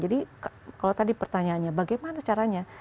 jadi kalau tadi pertanyaannya bagaimana caranya